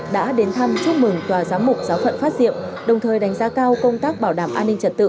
đã đến thăm chúc mừng tòa giám mục giáo phận phát diệm đồng thời đánh giá cao công tác bảo đảm an ninh trật tự